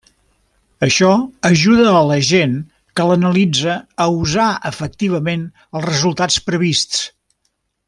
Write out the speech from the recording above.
Això ajuda a la gent que l'analitza a usar efectivament els resultats prevists.